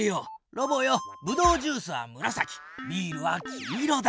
ロボよブドウジュースはむらさきビールは黄色だ！